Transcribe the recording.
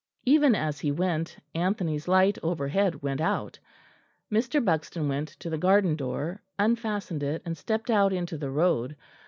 Even as he went, Anthony's light overhead went out. Mr. Buxton went to the garden door, unfastened it, and stepped out into the road.